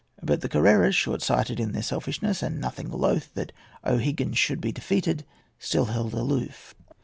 But the Carreras, short sighted in their selfishness, and nothing loth that O'Higgins should be defeated, still held aloof.